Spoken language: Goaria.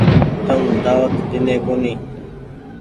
تم دآوت ڏيني ڪونيٚ ۔